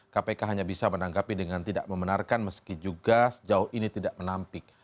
kpk hanya bisa menanggapi dengan tidak membenarkan meski juga sejauh ini tidak menampik